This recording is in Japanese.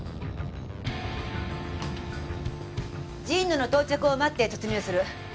神野の到着を待って突入する。